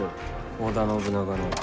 織田信長の。